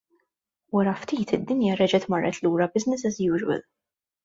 Wara ftit id-dinja reġgħet marret lura business as usual.